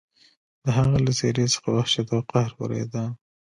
د هغه له څېرې څخه وحشت او قهر ورېده.